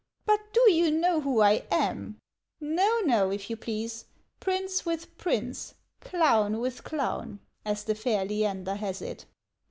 But do you know who I am ? No, no, if you please !' Prince with prince ; clown with clown/ as the fair Leander lias it."